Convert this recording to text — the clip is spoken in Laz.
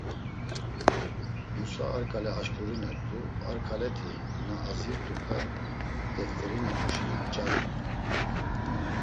Musa a ǩale aşǩurinert̆u, a ǩaleti na azirt̆upe teft̆erinamuşi nç̌arumt̆u.